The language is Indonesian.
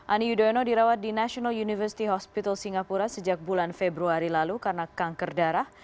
ani yudhoyono dirawat di national university hospital singapura sejak bulan februari lalu karena kanker darah